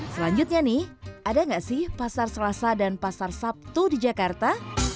selanjutnya nih ada nggak sih pasar selasa dan pasar sabtu di jakarta